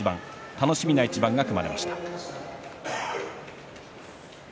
楽しみな一番が組まれました。